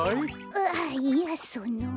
ああいやその。